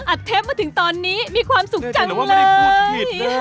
เทปมาถึงตอนนี้มีความสุขจังเลย